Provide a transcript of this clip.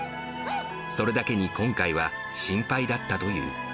それだけに今回は、心配だったという。